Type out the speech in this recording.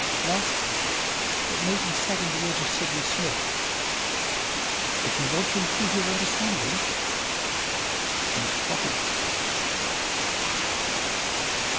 Lastly, it may be said in the words of Sidney Smith, "If you want to improve your understanding, drink coffee."